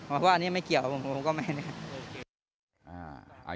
ว่าอันนี้ไม่เกี่ยวผมก็ไม่นะครับ